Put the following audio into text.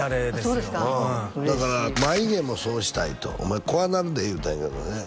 そうですかうんだから眉毛もそうしたいとお前怖なるで言うたんやけどね